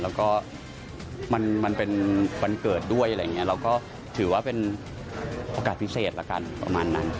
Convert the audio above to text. แล้วก็มันเป็นวันเกิดด้วยอะไรอย่างนี้เราก็ถือว่าเป็นโอกาสพิเศษแล้วกันประมาณนั้น